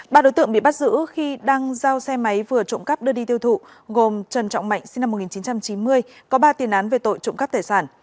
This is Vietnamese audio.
ba đối tượng bị bắt giữ khi đang giao xe máy vừa trộm cắp đưa đi tiêu thụ gồm trần trọng mạnh sinh năm một nghìn chín trăm chín mươi có ba tiền án về tội trộm cắp tài sản